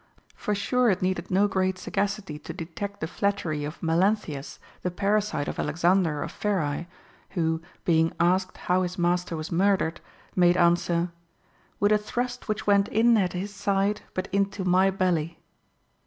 For sure it needed no great sa gacity to detect the flattery of Melanthius, the parasite of Alexander of Pherae, who, being asked how his master was murdered, made answer, With a thrust which went in at his side, but into my belly.